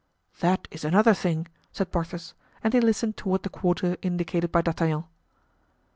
"That is another thing," said Porthos; and he listened toward the quarter indicated by D'Artagnan.